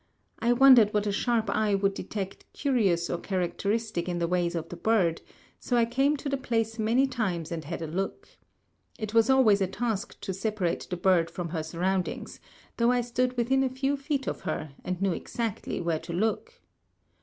I wondered what a sharp eye would detect curious or characteristic in the ways of the bird, so I came to the place many times and had a look. It was always a task to separate the bird from her surroundings, though I stood within a few feet of her, and knew exactly where to look.